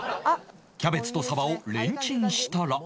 キャベツとサバをレンチンしたら